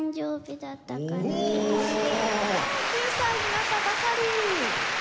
９歳になったばかり。